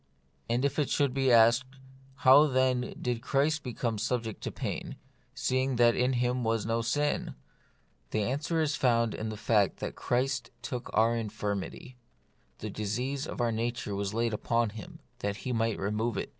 And if it should be asked, How, then, did Christ become subject to pain, seeing that in Him was no sin ? the answer is found in the fact that Christ took our infirmity ; the disease of our nature was laid on Him, that He might remove it.